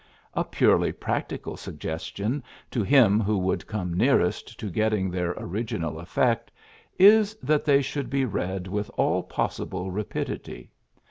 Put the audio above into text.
'' A purely practical suggestion to him who would come nearest to getting their original effect is that they should be read with all possible rapidity.